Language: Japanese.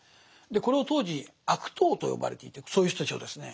これを当時「悪党」と呼ばれていてそういう人たちをですね。